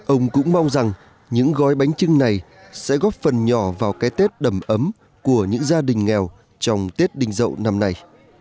ông cũng mong rằng những gói bánh trưng này sẽ góp phần nhỏ vào cái tết đầm ấm của những gia đình nghèo trong tết đình dậu năm nay